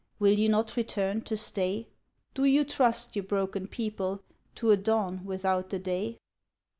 Will you not return, or stay? Do you trust, you broken people. To a dawn without the day?"